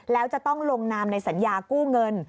แล้วจะต้องลงนามในสัญญากู้เงิน